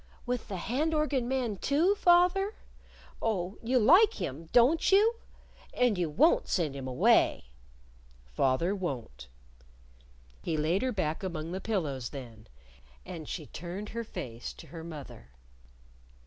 "With the hand organ man, too, fath er? Oh, you like him, don't you? And you won't send him away!" "Father won't." He laid her back among the pillows then. And she turned her face to her mother.